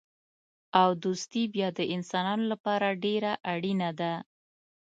او دوستي بیا د انسانانو لپاره ډېره اړینه ده.